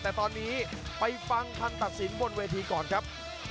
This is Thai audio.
แต่ตอนนี้ไปฟังคำตัดสินบนเวทีก่อนครับ